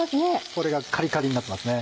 これがカリカリになってますね。